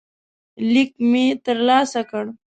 لیک مې ترلاسه کړ.